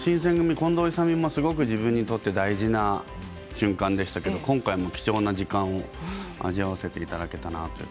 近藤勇も自分にとって大事な瞬間でしたけれども今回も貴重な時間を味わわせていただきました。